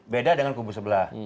beda dengan kubu sebelah